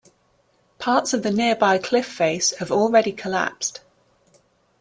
Parts of the nearby cliff face have already collapsed.